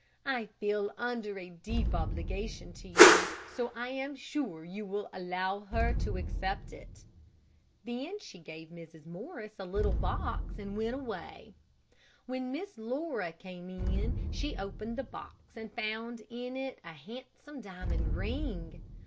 I feel under a deep obligation to you, so I am sure you will allow her to accept it." Then she gave Mrs. Morris a little box and went away. When Miss Laura came in, she opened the box, and found in it a handsome diamond ring.